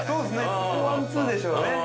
ここワンツーでしょうね。